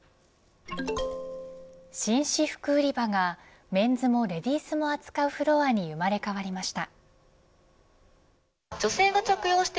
紳士服売り場がメンズもレディースも扱うフロアに生まれ変わりました。